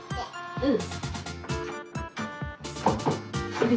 うん。